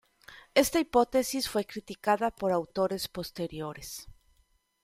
Esta hipótesis fue criticada por autores posteriores.